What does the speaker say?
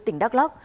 tỉnh đắk lắk